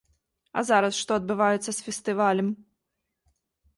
А зараз што адбываецца з фестывалем?